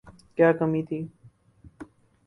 کیا کمی تھی۔